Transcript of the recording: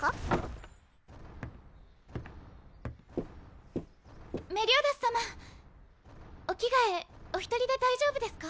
・ガチャコンコンコンメリオダス様お着替えお一人で大丈夫ですか？